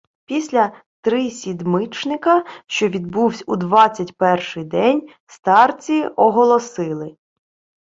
Після трисідмичника, що відбувсь у двадцять перший день, старці оголосили: